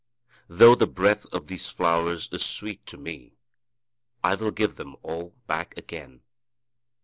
Though the breath of these flowers is sweet to me, I will give them all back again.''